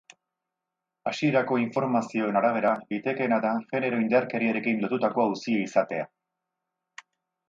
Hasierako informazioen arabera, litekeena da genero-indarkeriarekin lotutako auzia izatea.